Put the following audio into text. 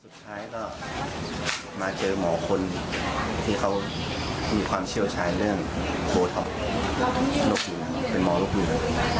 สุดท้ายต่อมาเจอหมอคนที่เขามีความเชี่ยวชายเรื่องโบท็อกเป็นหมอลูกหนึ่ง